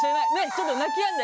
ちょっと泣きやんで。